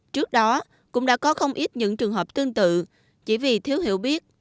trước đó cũng đã có không ít những trường hợp tương tự chỉ vì thiếu hiểu biết